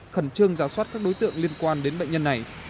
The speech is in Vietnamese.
khẩn trương giả soát các đối tượng liên quan đến bệnh nhân này